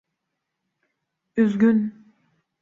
Üzgün…